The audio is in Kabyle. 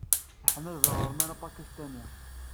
Ahmed d aɣerman apakistani.